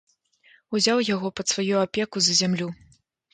Узяў яго пад сваю апеку за зямлю.